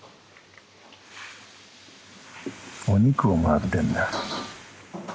お肉をもらってんだ。